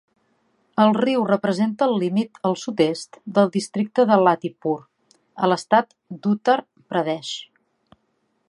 El riu representa el límit al sud-est del districte de Lalitpur, a l'estat d'Uttar Pradesh.